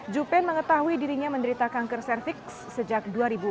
jupen mengetahui dirinya menderita kanker cervix sejak dua ribu empat belas